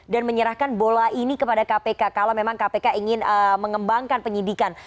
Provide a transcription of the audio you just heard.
dan menyerahkan bola ini kepada kpk kalau memang kpk ingin mengembangkan penyidikan